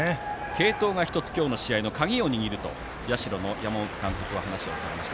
継投が１つ今日の試合の鍵を握ると社の山本監督は話しました。